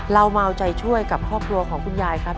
เรามาเอาใจช่วยกับครอบครัวของคุณยายครับ